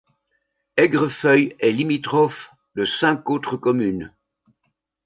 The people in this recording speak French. Aigrefeuille est limitrophe de cinq autres communes.